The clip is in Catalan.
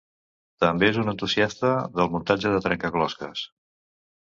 També és un entusiasta del muntatge de trencaclosques.